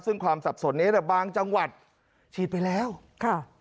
ซึ่งความสับสนนี้เนี่ยบางจังหวัดฉีดไปแล้วค่ะ